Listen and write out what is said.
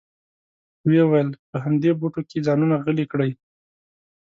وې ویل په همدې بوټو کې ځانونه غلي کړئ.